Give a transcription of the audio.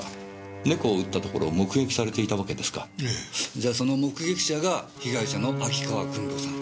じゃその目撃者が被害者の秋川久美子さん。